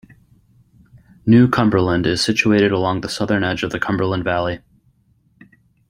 New Cumberland is situated along the southern edge of the Cumberland Valley.